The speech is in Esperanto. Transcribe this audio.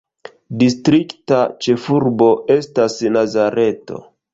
Distrikta ĉefurbo estas Nazareto.